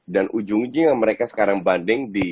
dan ujung ujungnya mereka sekarang banding di